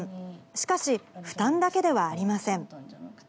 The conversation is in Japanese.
しかし、負担だけではありません。